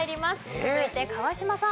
続いて川島さん。